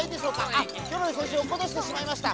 あっヒョロリせんしゅおっことしてしまいました。